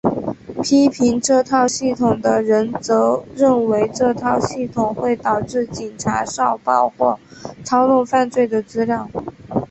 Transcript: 批评这套系统的人则认为这套系统会导致警察少报或操弄犯罪的资料。